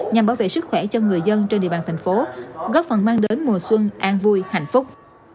nhằm bảo vệ sức khỏe cho người dân trên địa bàn thành phố góp phần mang đến mùa xuân an vui hạnh phúc